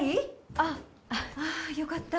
ああああよかった